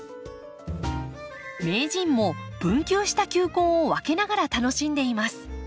名人も分球した球根を分けながら楽しんでいます。